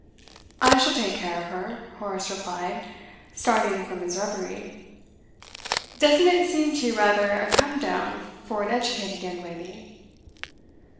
'I shall take care of her,' Horace replied, starting from his reverie. 'Doesn't it seem to you rather a come down for an educated young lady?